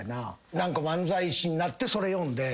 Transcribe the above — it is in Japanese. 何か漫才師になってそれ読んであ渋いな。